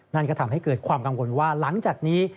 นั่นก็ทำให้เกิดความกังวลว่าหลังจากนี้